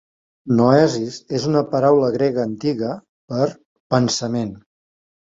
"Noesis" és una paraula grega antiga per "pensament".